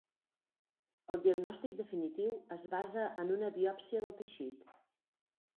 El diagnòstic definitiu es basa en una biòpsia del teixit.